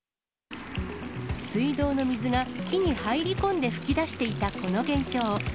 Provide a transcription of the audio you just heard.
水道の水が木に入り込んで噴き出していたこの現象。